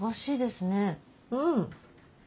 うん。